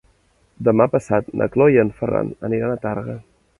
Demà passat na Cloè i en Ferran aniran a Tàrrega.